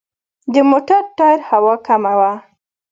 د موټر ټایر هوا کمه وه.